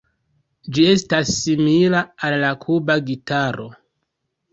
Ĝi estas simila al la Kuba gitaro.